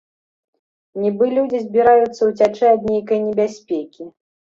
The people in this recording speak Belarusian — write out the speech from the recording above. Нібы людзі збіраюцца ўцячы ад нейкай небяспекі.